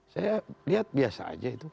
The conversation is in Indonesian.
saya lihat biasa aja itu